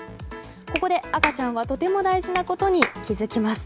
ここで赤ちゃんはとても大事なことに気づきます。